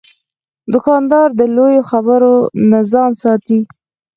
دوکاندار د لویو خبرو نه ځان ساتي.